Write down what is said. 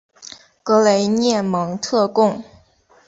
格雷涅蒙特贡。